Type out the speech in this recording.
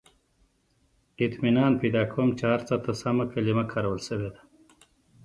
• اطمینان پیدا کوم، چې هر څه ته سمه کلمه کارول شوې ده.